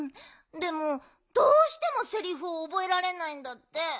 でもどうしてもセリフをおぼえられないんだって。